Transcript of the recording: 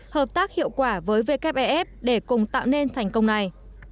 hợp tác hiệu quả với wef để cùng tạo nên thành công này